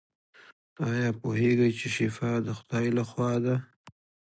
ایا پوهیږئ چې شفا د خدای لخوا ده؟